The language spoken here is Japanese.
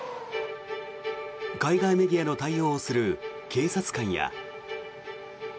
海外メディアの対応をする警察官や。